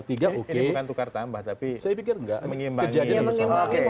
ini bukan tukar tambah tapi mengimbangi